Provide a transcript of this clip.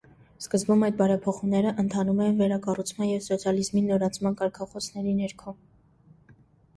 Սկզբում այդ բարեփոխումները ընթանում էին վերակառուցման և սոցիալիզմի նորացման կարգախոսների ներքո։